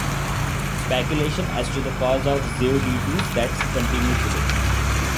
Speculation as to the cause of Zewditu's death continues today.